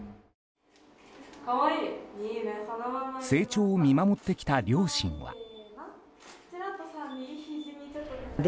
成長を見守ってきた両親は。